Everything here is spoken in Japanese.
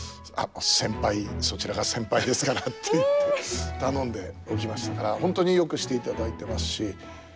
先輩そちらが先輩ですから」って言って頼んでおきましたから本当によくしていただいてますし。